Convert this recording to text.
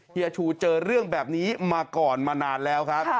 เฮียชูเจอเรื่องแบบนี้มาก่อนมานานแล้วครับ